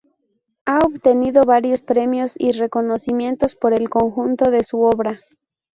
Ha obtenido varios premios y reconocimientos por el conjunto de su obra.